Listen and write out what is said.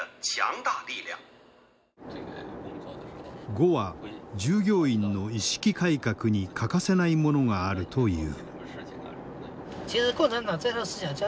呉は従業員の意識改革に欠かせないものがあるという。